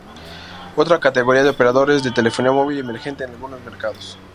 Otra categoría de operadores de telefonía móvil emergente en algunos mercados.